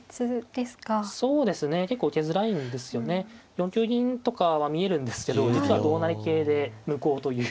４九銀とかは見えるんですけど実は同成桂で無効という。